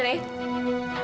bawa dia ke